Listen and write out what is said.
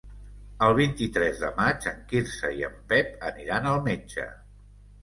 El vint-i-tres de maig en Quirze i en Pep aniran al metge.